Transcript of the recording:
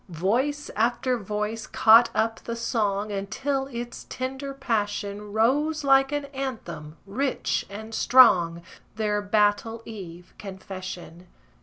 Voice after voice caught up the song, Until its tender passion Rose like an anthem, rich and strong, Their battle eve confession.